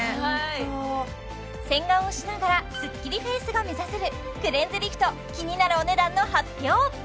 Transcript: ホント洗顔をしながらスッキリフェイスが目指せるクレンズリフト気になるお値段の発表